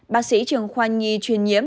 bác sĩ trường khoa nhi chuyên nghiệp